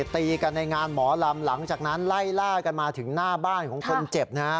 ตีกันในงานหมอลำหลังจากนั้นไล่ล่ากันมาถึงหน้าบ้านของคนเจ็บนะฮะ